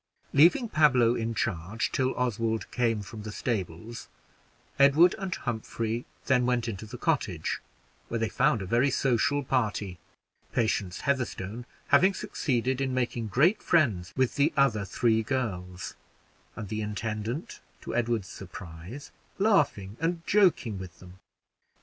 Leaving Pablo in charge till Oswald came from the stables, Edward and Humphrey then went into the cottage, where they found a very social party; Patience Heatherstone having succeeded in making great friends with the other three girls, and the intendant, to Edward's surprise, laughing and joking with them.